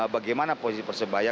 bagaimana posisi persebaya